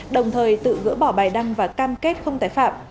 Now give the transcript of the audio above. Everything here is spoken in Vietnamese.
đồng thời tự gỡ bỏ bài đăng và cam kết không tái phạm